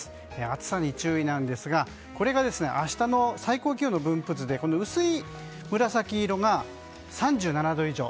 暑さに注意なんですがこれが明日の最高気温の分布図で薄い紫色が３７度以上。